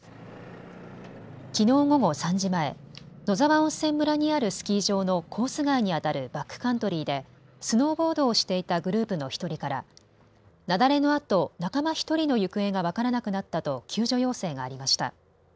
きのう午後３時前、野沢温泉村にあるスキー場のコース外にあたるバックカントリーでスノーボードをしていたグループの１人から雪崩のあと仲間１人の行方が分からなくなったと救助要請がありました。